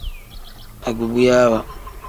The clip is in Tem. Agubuyaawa.